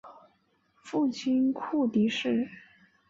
父亲厍狄峙。